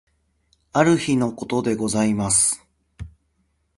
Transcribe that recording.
ある日のことでございます。